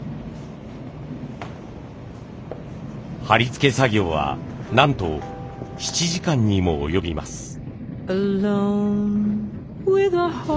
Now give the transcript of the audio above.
貼り付け作業はなんと７時間にも及びます。